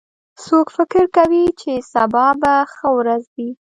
څوک فکر کوي چې سبا به ښه ورځ وي